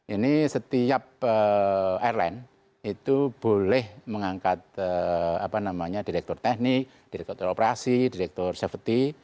ini setiap airline itu boleh mengangkat direktur teknik direktur operasi direktur safety